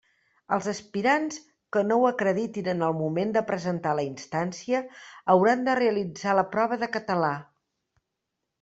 Els aspirants que no ho acreditin en el moment de presentar la instància hauran de realitzar la prova de català.